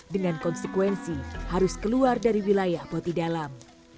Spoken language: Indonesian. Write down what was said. dengan konsekuensi harus keluar dari wilayah botidalam